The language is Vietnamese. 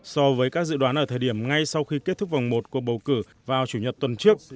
so với các dự đoán ở thời điểm ngay sau khi kết thúc vòng một cuộc bầu cử vào chủ nhật tuần trước